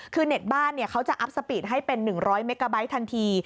คือเน็ตบ้านเขาจะอัพสปีดให้เป็น๑๐๐เมกาไบท์ทันที